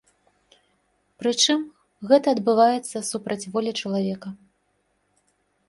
Прычым, гэта адбываецца супраць волі чалавека.